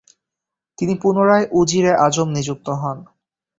তিনি পুনরায় উজিরে আজম নিযুক্ত হন।